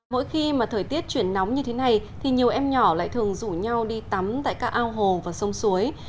mỗi khi mà thời tiết chuyển nóng như thế này thì nhiều em nhỏ lại thường rủ nhau đi tắm tại các ao hồ và sông suối